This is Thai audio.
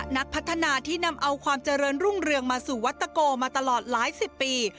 นักพัฒนาที่นำเอาความเจริญรุ่งเรืองมาสู่วัตโกมาตลอดหลายสิบปี